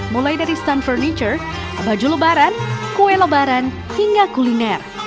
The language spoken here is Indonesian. mulai dari stun furniture baju lebaran kue lebaran hingga kuliner